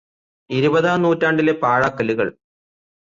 ഇരുപതാം നൂറ്റാണ്ടിലെ പാഴാക്കലുകള്